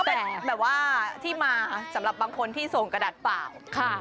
แต่แบบว่าที่มาสำหรับบางคนที่ส่งกระดาษเปล่า